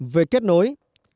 về kết nối